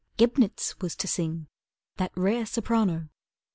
Gebnitz was to sing, That rare soprano.